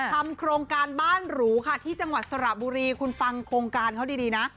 ทำโครงการบ้านหรูค่ะที่จังหวัดสระบุรีคุณฟังโครงการเขาดีนะ